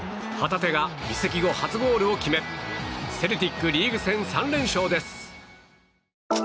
旗手が移籍後初ゴールを決めセルティックリーグ戦３連勝です。